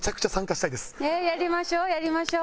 やりましょうやりましょう！